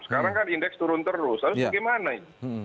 sekarang kan indeks turun terus harus bagaimana ini